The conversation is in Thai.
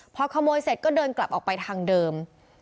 พอขโมยเสร็จก็เดินกลับออกไปทางเดิม